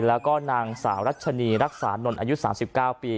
แล้วก็นางสาวรัชนีรักษานนท์อายุ๓๙ปี